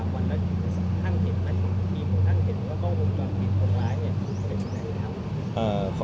หมอบรรยาหมอบรรยา